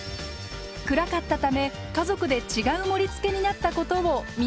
暗かったため家族で違う盛りつけになったことを皆で笑いました。